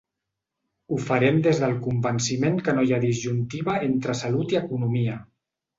Ho farem des del convenciment que no hi ha disjuntiva entre salut i economia.